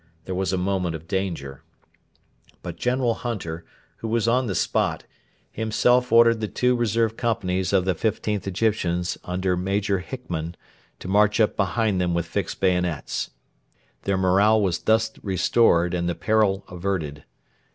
There was a moment of danger; but General Hunter, who was on the spot, himself ordered the two reserve companies of the 15th Egyptians under Major Hickman to march up behind them with fixed bayonets. Their morale was thus restored and the peril averted.